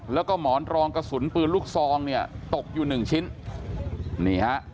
แล้วก็หมอนรองกระสุนปืนลูกซองเนี่ยตกอยู่หนึ่งชิ้นนี่ฮะ